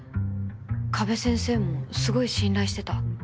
加部先生もすごい信頼してた